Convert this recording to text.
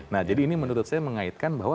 nah jadi ini menurut saya mengaitkan bahwa